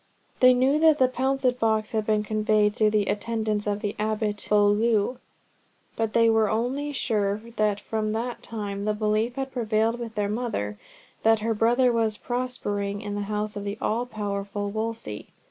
They knew that the pouncet box had been conveyed through the attendants of the Abbot of Beaulieu, but they were only sure that from that time the belief had prevailed with their mother that her brother was prospering in the house of the all powerful Wolsey.